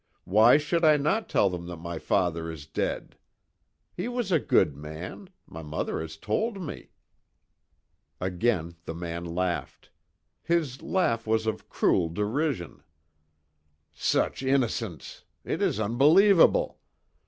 Why should I not tell them that my father is dead. He was a good man. My mother has told me." Again the man laughed, his laugh of cruel derision: "Such innocence! It is unbelievable!